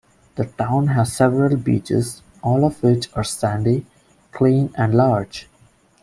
The town has several beaches, all of which are sandy, clean and large.